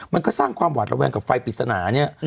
มันก็สร้างความหวาดระแวงกับไฟปริศนาเนี่ย